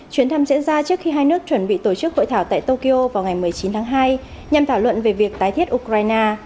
chuyến thăm diễn ra trước khi hai nước chuẩn bị tổ chức hội thảo tại tokyo vào ngày một mươi chín tháng hai nhằm thảo luận về việc tái thiết ukraine